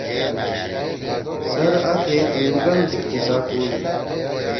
سر آ تھیے تُنُو گام سی قصہ کوادُو۔